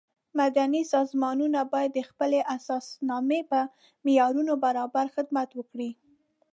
مدني سازمانونه باید د خپلې اساسنامې په معیارونو برابر خدمت وکړي.